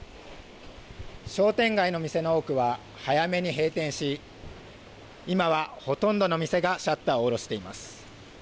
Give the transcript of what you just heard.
商店街の店の多くは早めに閉店し今はほとんどの店がシャッターを下ろしています。